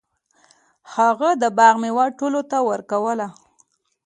هغه د باغ میوه ټولو ته ورکوله.